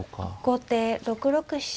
後手６六飛車。